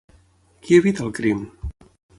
Qui evita el crim?